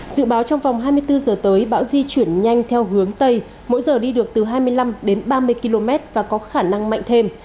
dự báo trong vòng hai mươi bốn giờ tới bão di chuyển nhanh theo hướng tây mỗi giờ đi được từ hai mươi năm đến ba mươi km và có khả năng mạnh thêm